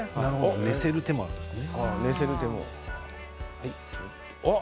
寝せる手もあるんですね。